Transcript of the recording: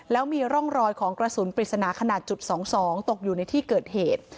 แล้วมีร่องรอยของกระสุนปริศนาขนาดจุด๒๒ตกอยู่ในที่เกิดเหตุ